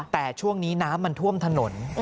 แต่ช่วงนี้น้ำมันท่วมถนน